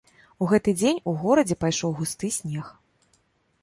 У гэты дзень у горадзе пайшоў густы снег.